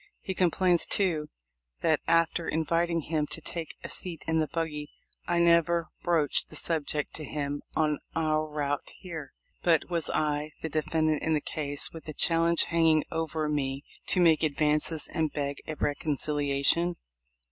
He complains, too, that, after inviting him to take a seat in the buggy I never broached the subject to him on our route here. But was I, the defendant in the case, with a challenge hanging over me, to make advances, and beg a reconciliation